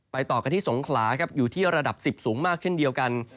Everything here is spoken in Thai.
ต่อกันที่สงขลาครับอยู่ที่ระดับ๑๐สูงมากเช่นเดียวกัน